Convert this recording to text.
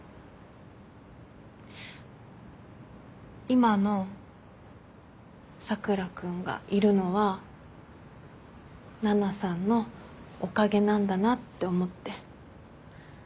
今の佐倉君がいるのは奈々さんのおかげなんだなって思って。